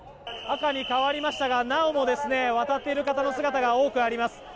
赤に変わりましたがなおも渡っている方の姿が多くあります。